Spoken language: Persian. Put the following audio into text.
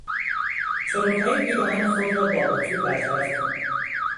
چروکهای پیراهن خود را با اطو برطرف کن.